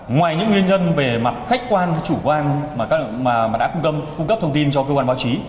ngoài những nguyên nhân về mặt khách quan chủ quan mà đã cung cấp thông tin cho cơ quan báo chí